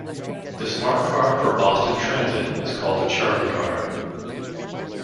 The smart card for Boston transit is called a "CharlieCard".